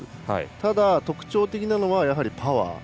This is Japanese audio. ただ、特徴的なのはパワー。